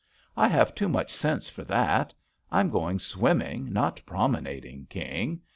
I have too much sense for that. I'm going swimming, not promenading, King.